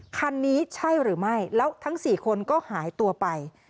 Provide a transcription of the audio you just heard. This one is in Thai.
คันนี้ใช่หรือไม่แล้วทั้ง๔คนก็หายตัวไป